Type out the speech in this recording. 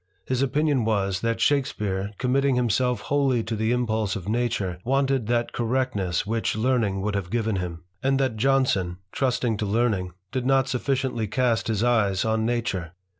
His opinion was, that Shakespeare, committing himself wholly to the impulse of nature, wanted that correctness which learning would have given him ; and that Jonson, trusting to learning, did not sufficiently cast his eyes on nature.